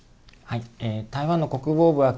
はい。